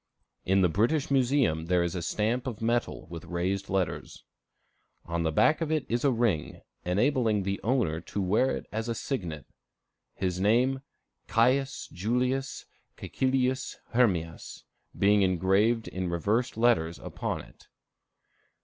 In the British Museum there is a stamp of metal with raised letters. On the back of it is a ring, enabling the owner to wear it as a signet; his name, Caius Julius Cæcilius Hermias, being engraved in reversed letters upon it.